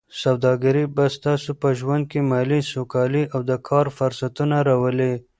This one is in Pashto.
سوداګري به ستاسو په ژوند کې مالي سوکالي او د کار فرصتونه راولي.